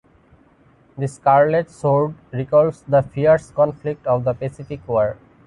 The scarlet sword recalls the fierce conflict of the Pacific war.